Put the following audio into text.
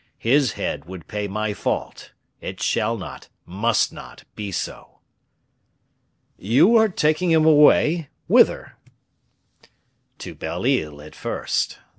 His head would pay my fault. It shall not, must not, be so." "You are taking him away, whither?" "To Belle Isle, at first.